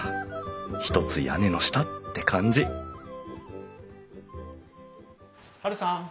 ひとつ屋根の下って感じハルさん